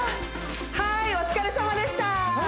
はいお疲れさまでした